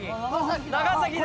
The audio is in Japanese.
長崎だ。